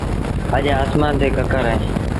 اَڄ آسمآݩ تي ڪڪر اهيݩ